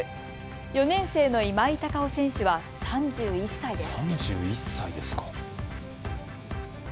４年生の今井隆生選手は３１歳です。